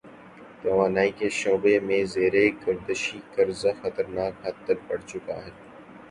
توانائی کے شعبے میں زیر گردشی قرضہ خطرناک حد تک بڑھ چکا ہے۔